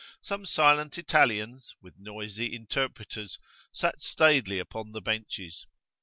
Some silent Italians, with noisy interpreters, sat staidly upon the benches.